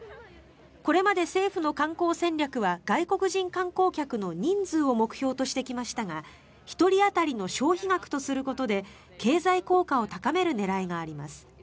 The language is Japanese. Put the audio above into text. これまで政府の観光戦略は外国人観光客の人数を目標としてきましたが１人当たりの消費額とすることで経済効果を高める狙いがあります。